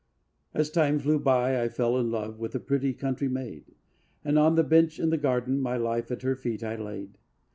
As time flew by I fell in love With a pretty country maid, And on the bench in the garden My life at her feet I laid.